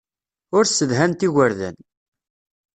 Ur ssedhant igerdan.